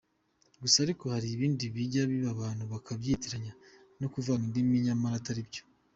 Gusa ariko, hari ibindi bijya biba abantu bakabyitiranya no kuvanga indimi nyamara atari byo.